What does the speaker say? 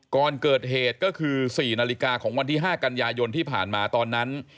ก่อนเกิดเหตุก็คือ๔นาฬิกาของวันที่๕กันยายนที่ผ่านมาตอนนั้น